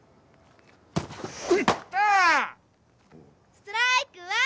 ストライクワン！